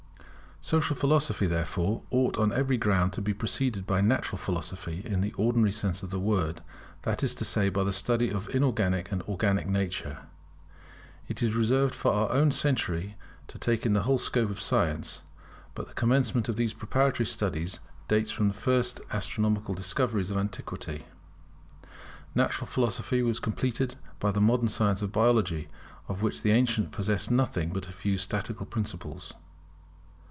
Social Philosophy, therefore, ought on every ground to be preceded by Natural Philosophy in the ordinary sense of the word; that is to say by the study of inorganic and organic nature. It is reserved for our own century to take in the whole scope of science; but the commencement of these preparatory studies dates from the first astronomical discoveries of antiquity. Natural Philosophy was completed by the modern science of Biology, of which the ancients possessed nothing but a few statical principles.